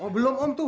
belum om tuh